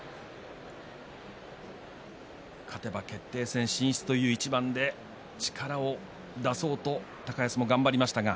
勝てば決定戦進出というところで力を出そうと高安も頑張りました。